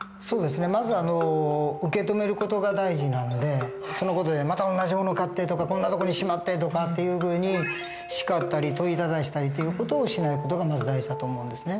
まず受け止める事が大事なんでその事で「また同じ物買って」とか「こんなとこにしまって」とかっていうふうに叱ったり問いただしたりって事をしない事がまず大事だと思うんですね。